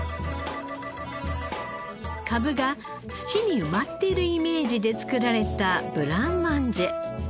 かぶが土に埋まっているイメージで作られたブランマンジェ。